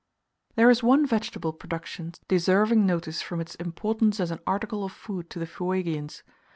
There is one vegetable production deserving notice from its importance as an article of food to the Fuegians.